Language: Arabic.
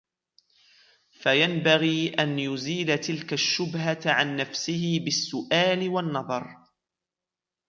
فَيَنْبَغِي أَنْ يُزِيلَ تِلْكَ الشُّبْهَةَ عَنْ نَفْسِهِ بِالسُّؤَالِ وَالنَّظَرِ